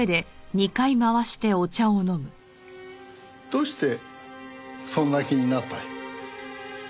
どうしてそんな気になった？